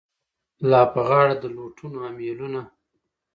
لا په غاړه د لوټونو امېلونه